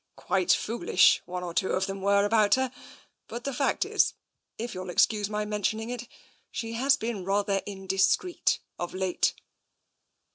Quite foolish, one or two of them were about her. But the fact is, if you'll excuse my mentioning it, she's been rather indiscreet of late."